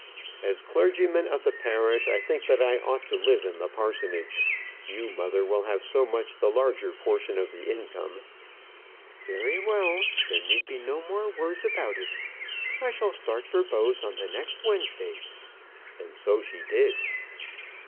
"As clergyman of the parish, I think that I ought to live in the parsonage. You, mother, will have so much the larger portion of the income." "Very well. There need be no more words about it. I shall start for Bowes on next Wednesday." And so she did.